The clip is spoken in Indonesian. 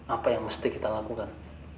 apa yang mesti kita lakukan